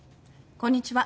こんにちは。